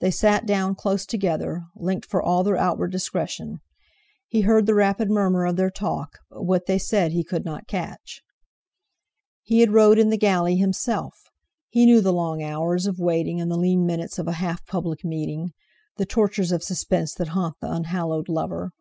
They sat down close together, linked for all their outward discretion. He heard the rapid murmur of their talk; but what they said he could not catch. He had rowed in the galley himself! He knew the long hours of waiting and the lean minutes of a half public meeting; the tortures of suspense that haunt the unhallowed lover.